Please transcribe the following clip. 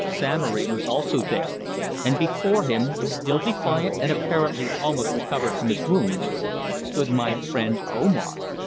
Samory was also there, and before him, still defiant and apparently almost recovered from his wounds, stood my friend Omar.